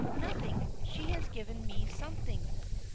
"Nothing; she has given me something."